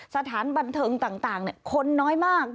สถานบันเทิงต่างคนน้อยมาก